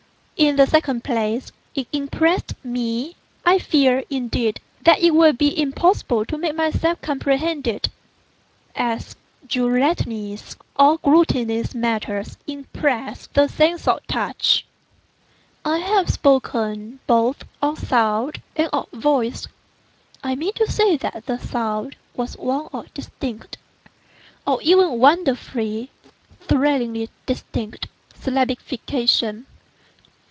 In the second place, it impressed me (I fear, indeed, that it will be impossible to make myself comprehended) as gelatinous or glutinous matters impress the sense of touch. I have spoken both of "sound" and of "voice." I mean to say that the sound was one of distinct—of even wonderfully, thrillingly distinct—syllabification.